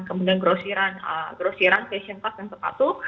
kemudian grosiran grosiran fesien tas dan sepatu